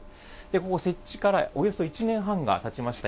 ここ、設置からおよそ１年半がたちました。